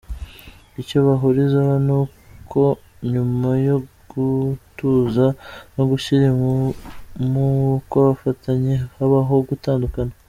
Icyo bahurizaho ni uko nyuma yo gutuza no gushira impumu kw’abafatanye habaho gutandukana.